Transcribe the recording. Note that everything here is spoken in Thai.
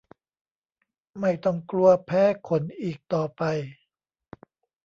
ไม่ต้องกลัวแพ้ขนอีกต่อไป